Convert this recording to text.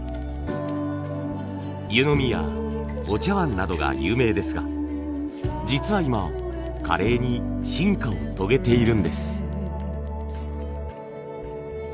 湯飲みやお茶わんなどが有名ですが実は今華麗に進化を遂げているんです。